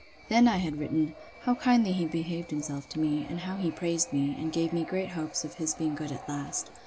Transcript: Then I had written, 'How kindly he behaved himself to me; and how he praised me, and gave me great hopes of his being good at last.